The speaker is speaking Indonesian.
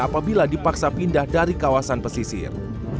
apabila dipaksa pindah dari kawasan pesisir